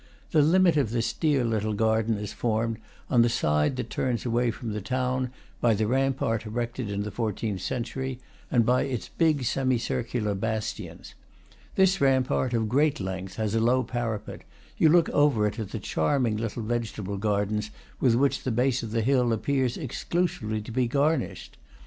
The limit of this dear little garden is formed, on the side that turns away from the town, by the rampart erected in the fourteenth century, and by its big semicircular bastions. This rampart, of great length, has a low parapet; you look over it at the charming little vegetable gardens with which the base of the hill appears exclusively to be garnished.